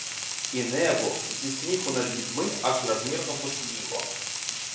І небо зі сміху над людьми аж надмірно посиніло.